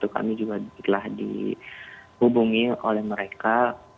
kami juga telah dihubungi oleh mereka